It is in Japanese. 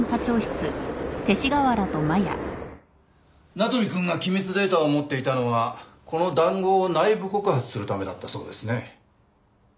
名取くんが機密データを持っていたのはこの談合を内部告発するためだったそうですね。